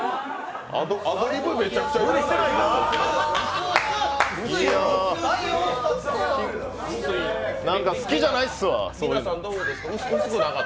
アドリブめちゃくちゃ弱ないですか？